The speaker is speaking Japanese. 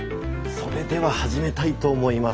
それでは始めたいと思います。